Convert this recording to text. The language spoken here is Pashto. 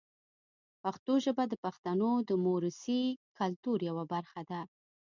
پښتو ژبه د پښتنو د موروثي کلتور یوه برخه ده.